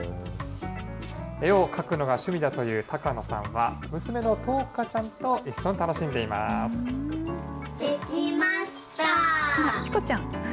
絵を描くのが趣味だという高野さんは、娘の透花ちゃんと一緒に楽しんでいます。